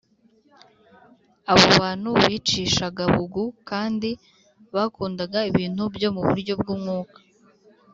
Abo bantu bicishaga bugu kandi bakundaga ibintu byo mu buryo bw umwuka